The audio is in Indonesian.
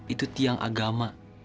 itu tiang agama